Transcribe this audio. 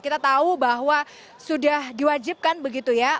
kita tahu bahwa sudah diwajibkan begitu ya